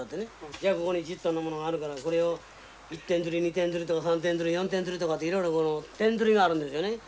じゃあここに１０トンのものがあるからこれを１点づり２点づりとか３点づり４点づりとかっていろいろこの点づりがあるんですよね。